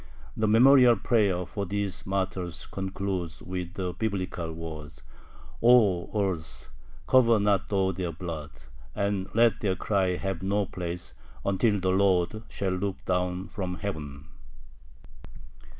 The memorial prayer for these martyrs concludes with the Biblical words: "O earth, cover not thou their blood, and let their cry have no place, until the Lord shall look down from heaven!"